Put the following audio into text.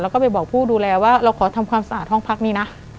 แล้วก็ไปบอกผู้ดูแลว่าเราขอทำความสะอาดห้องพักนี้นะ